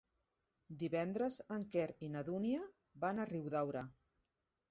Divendres en Quer i na Dúnia van a Riudaura.